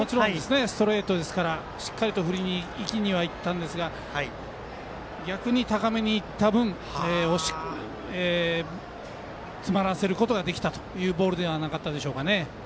ストレートですからしっかりと振りにいったんですが逆に高めにいった分詰まらせることができたというボールではなかったでしょうか。